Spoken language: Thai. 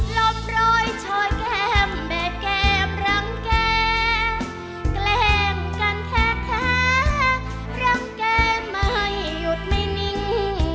ลบรอยชอยแก้มแบบแก้มรังแก้แกล้งกันแท้รังแก้ไม่หยุดไม่นิ่ง